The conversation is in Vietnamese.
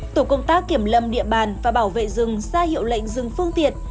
tổ công tác kiểm lâm địa bàn và bảo vệ rừng ra hiệu lệnh rừng phương tiệt